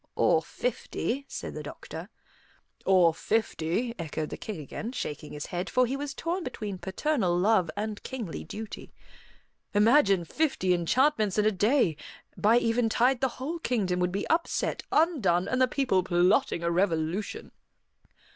"Or fifty," said the doctor. "Or fifty," echoed the King again, shaking his head, for he was torn between paternal love and kingly duty. "Imagine fifty enchantments in a day! By eventide the whole kingdom would be upset, undone, and the people plotting a revolution."